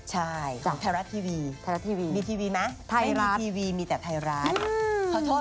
ใช่ของไทรัสทีวีมีทีวีมั้ยไม่มีทีวีมีแต่ไทรัส